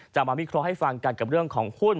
มาวิเคราะห์ให้ฟังกันกับเรื่องของหุ้น